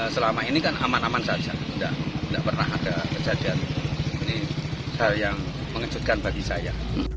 selama ini kan aman aman saja tidak pernah ada kejadian ini hal yang mengejutkan bagi saya